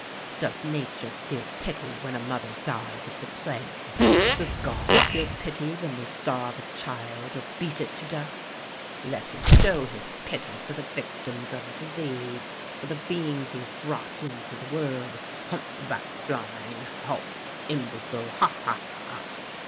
Does nature feel pity when a mother dies of the plague? Does God feel pity when we starve a child or beat it to death? Let him show his pity for the victims of disease, for the beings he has brought into the world, humpbacked, blind, halt, imbecile, ha! ha! ha!